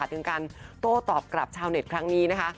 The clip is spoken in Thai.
ถึงการโต้ตอบกลับชาวเน็ตครั้งนี้นะคะ